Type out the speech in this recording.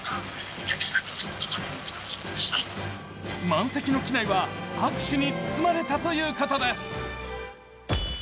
満席の機内は拍手に包まれたということです。